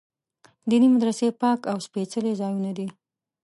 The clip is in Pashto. دیني مدرسې پاک او سپېڅلي ځایونه دي.